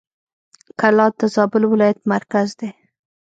کلات د زابل ولایت مرکز دی.